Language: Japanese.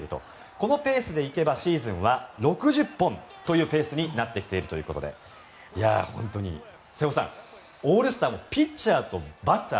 このペースで行けばシーズンは６０本というペースになってきているということで本当に瀬尾さん、オールスターもピッチャーとバッター